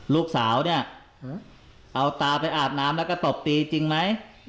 ลูกสาวเนี่ยเอาตาไปอาบน้ำแล้วก็ตบตีจริงไหม